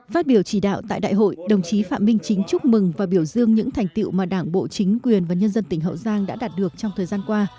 phát biểu chỉ đạo tại đại hội đồng chí phạm minh chính chúc mừng và biểu dương những thành tiệu mà đảng bộ chính quyền và nhân dân tỉnh hậu giang đã đạt được trong thời gian qua